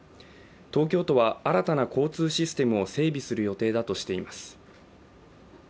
東京都は新たな交通システムを整備する予定だとしています。